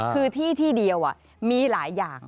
คือที่ที่เดียวมีหลายอย่าง